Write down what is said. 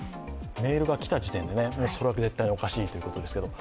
メールがきた時点で絶対におかしいということですね。